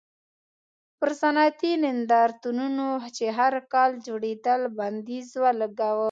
پر صنعتي نندارتونونو چې هر کال جوړېدل بندیز ولګاوه.